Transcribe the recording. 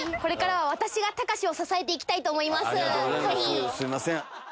逆⁉すいません。